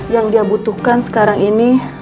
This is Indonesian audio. yang dia butuhkan sekarang ini